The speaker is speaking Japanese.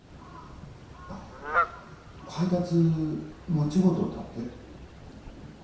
配達間違うとったって？